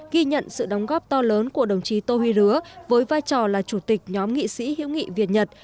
ghi nhận sự đóng góp to lớn của đồng chí tô huy lứa với vai trò là chủ tịch nhóm nghị sĩ hữu nghị việt nhật